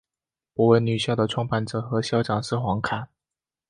博文女校的创办者和校长是黄侃。